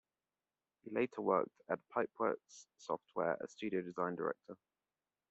He later worked at Pipeworks Software as Studio Design Director.